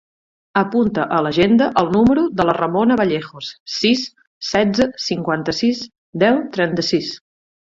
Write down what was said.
Apunta a l'agenda el número de la Ramona Vallejos: sis, setze, cinquanta-sis, deu, trenta-sis.